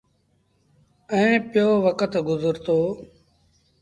ايٚئيٚن پيو وکت گزرتو۔